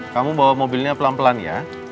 kamu bawa mobilnya pelan pelan ya